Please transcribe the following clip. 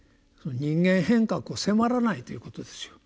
人間変革を迫らないということですよ。